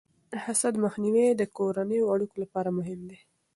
د حسد مخنیوی د کورنیو اړیکو لپاره مهم دی.